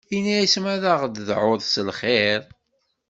Ini-as ma aɣ-d-tedɛuḍ s lxir?